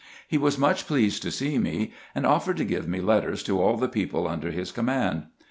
He was much pleased to see me, and offered to give me letters to all the people under his command.